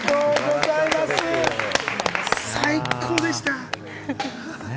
最高でした！